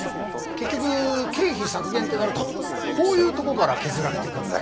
結局経費削減ってなるとこういうとこから削られてくんだよ。